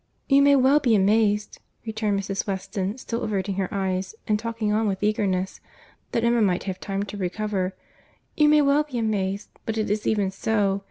"You may well be amazed," returned Mrs. Weston, still averting her eyes, and talking on with eagerness, that Emma might have time to recover— "You may well be amazed. But it is even so.